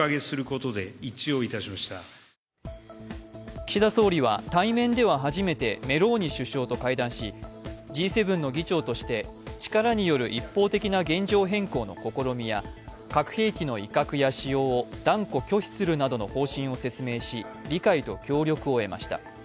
岸田総理は対面では初めてメローニ首相と会談しＧ７の議長として力による一方的な現状変更の試みや核兵器の威嚇や使用を断固拒否するなどの方針を説明し、理解と協力を得ました。